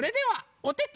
「おてて」